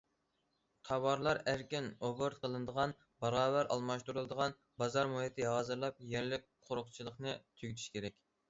تاۋارلار ئەركىن ئوبوروت قىلىنىدىغان، باراۋەر ئالماشتۇرۇلىدىغان بازار مۇھىتى ھازىرلاپ، يەرلىك قورۇقچىلىقنى تۈگىتىش كېرەك.